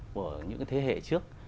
của những thế hệ trước